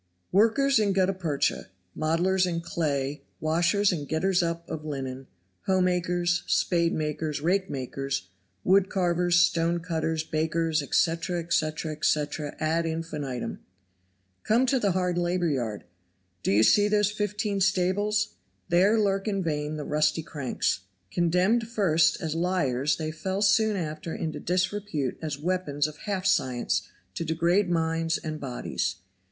] Workers in gutta percha, modelers in clay, washers and getters up of linen, hoe makers, spade makers, rake makers, woodcarvers, stonecutters, bakers, etc., etc., etc., ad infinitum. Come to the hard labor yard. Do you see those fifteen stables? there lurk in vain the rusty cranks; condemned first as liars they fell soon after into disrepute as weapons of half science to degrade minds and bodies.